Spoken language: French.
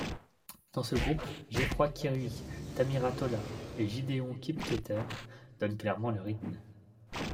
Dans ce groupe, Geoffrey Kirui, Tamirat Tola et Gideon Kipketer donnent clairement le rythme.